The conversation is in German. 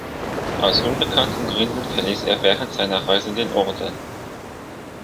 Aus unbekannten Gründen verließ er während seiner Reise den Orden.